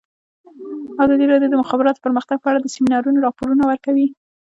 ازادي راډیو د د مخابراتو پرمختګ په اړه د سیمینارونو راپورونه ورکړي.